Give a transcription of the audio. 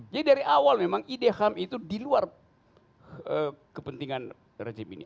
jadi dari awal memang ide ham itu diluar kepentingan rejim ini